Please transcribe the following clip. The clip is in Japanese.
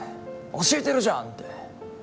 教えてるじゃんって。